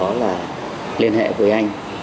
đó là liên hệ với anh